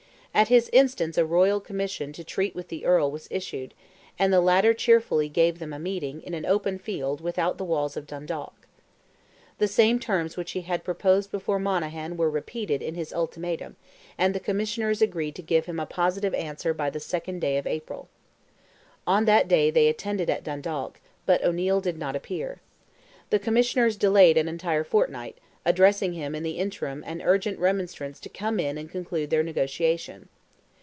At his instance a royal commission to treat with the Earl was issued, and the latter cheerfully gave them a meeting in an open field without the walls of Dundalk. The same terms which he had proposed before Monaghan were repeated in his ultimatum, and the Commissioners agreed to give him a positive answer by the 2nd day of April. On that day they attended at Dundalk, but O'Neil did not appear. The Commissioners delayed an entire fortnight, addressing him in the interim an urgent remonstrance to come in and conclude their negotiation.